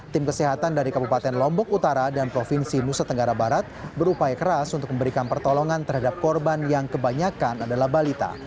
tim kesehatan dari kabupaten lombok utara dan provinsi nusa tenggara barat berupaya keras untuk memberikan pertolongan terhadap korban yang kebanyakan adalah balita